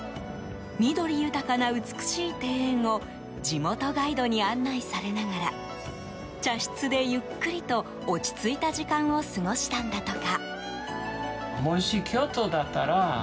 緑豊かな美しい庭園を地元ガイドに案内されながら茶室でゆっくりと落ち着いた時間を過ごしたんだとか。